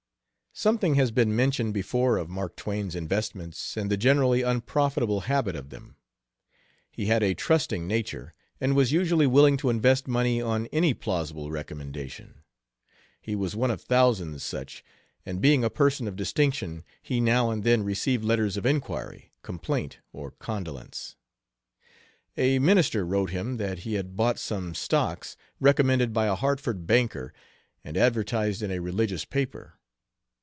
Something has been mentioned before of Mark Twain's investments and the generally unprofitable habit of them. He had a trusting nature, and was usually willing to invest money on any plausible recommendation. He was one of thousands such, and being a person of distinction he now and then received letters of inquiry, complaint, or condolence. A minister wrote him that he had bought some stocks recommended by a Hartford banker and advertised in a religious paper.